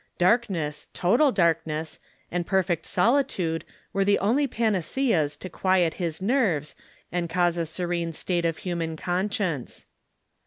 Darkness, total darkness, and perfect solitude were the only panaceas to quiet his nerves and cause a serene state of human conscience.